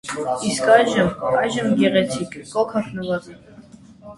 իսկ ա՞յժմ- այժմ գեղեցիկ, կոկ հագնված եք.